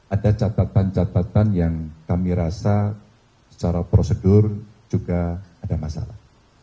ada catatan catatan yang kami rasa secara prosedur juga ada masalah